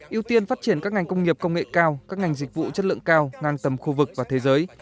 yêu tiên phát triển các ngành công nghiệp công nghệ cao các ngành dịch vụ chất lượng cao ngang tầm khu vực và thế giới